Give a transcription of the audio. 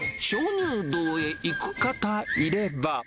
鍾乳洞へ行く方いれば。